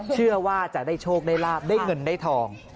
เชื่อว่าจะได้โชคได้ลาบได้เงินได้ทอง